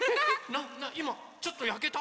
いまちょっとやけた？